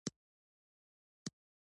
ته اوس له دې فېصلې څخه مخ نشې ګرځولى.